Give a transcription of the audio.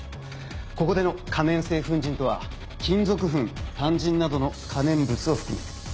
ここでの可燃性粉塵とは金属粉炭塵などの可燃物を含む